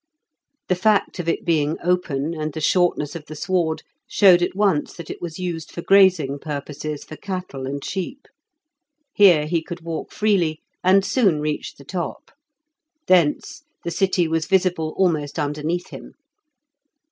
The fact of it being open, and the shortness of the sward, showed at once that it was used for grazing purposes for cattle and sheep. Here he could walk freely, and soon reached the top. Thence the city was visible almost underneath him.